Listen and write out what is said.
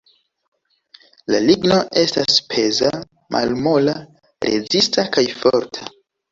La ligno estas peza, malmola, rezista kaj forta.